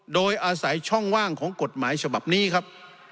โดยอาศัยช่องว่างของกฎหมายฉบับนี้ครับ